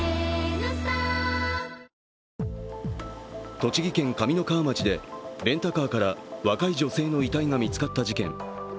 栃木県上三川町でレンタカーから若い女性の遺体が見つかった事件。